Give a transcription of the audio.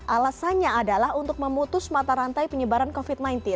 alasannya adalah untuk memutus mata rantai penyebaran covid sembilan belas